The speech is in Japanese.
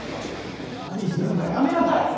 何するんだやめなさい！